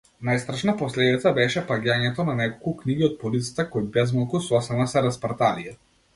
Најстрашна последица беше паѓањето на неколку книги од полицата кои безмалку сосема се распарталија.